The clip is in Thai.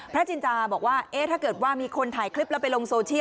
จินจาบอกว่าเอ๊ะถ้าเกิดว่ามีคนถ่ายคลิปแล้วไปลงโซเชียล